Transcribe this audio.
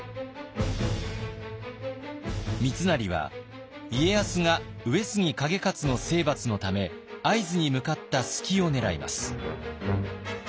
三成は家康が上杉景勝の征伐のため会津に向かった隙を狙います。